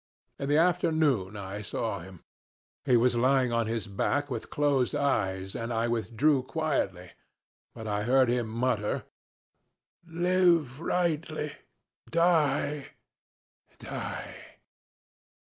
In the afternoon I saw him. He was lying on his back with closed eyes, and I withdrew quietly, but I heard him mutter, 'Live rightly, die, die